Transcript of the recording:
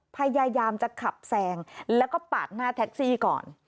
พยายามจะขับแซงแล้วก็ปาดหน้าแท็กซี่ก่อน